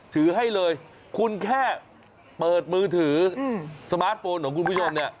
ถือให้เลยคุณแค่เปิดมือถือสมาร์ทโฟนของคุณผู้ชมเนี่ย